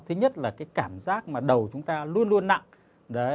thứ nhất là cái cảm giác mà đầu chúng ta luôn luôn nặng